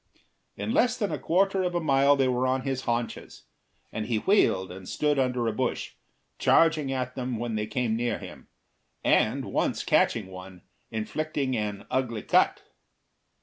In less than a quarter of a mile they were on his haunches, and he wheeled and stood under a bush, charging at them when they came near him, and once catching one, inflicting an ugly cut.